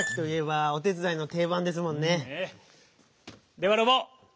ではロボ。